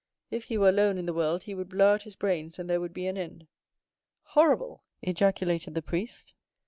If he were alone in the world he would blow out his brains, and there would be an end." "Horrible!" ejaculated the priest.